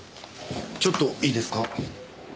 ちょっといいですか。